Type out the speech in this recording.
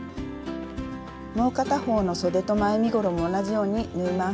もう片方のそでと前身ごろも同じように縫います。